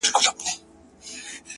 څو؛ د ژوند په دې زوال کي کړې بدل!!